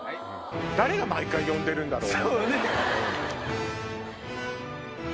誰が毎回呼んでるんだろう？